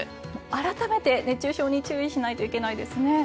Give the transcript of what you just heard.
改めて熱中症に注意しないといけないですね。